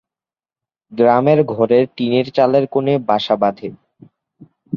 গ্রামের ঘরের টিনের চালের কোণে বাসা বাঁধে।